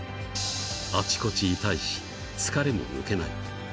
あちこち痛いし、疲れも抜けない。